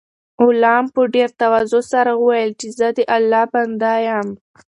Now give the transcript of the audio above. غلام په ډېر تواضع سره وویل چې زه د الله بنده یم.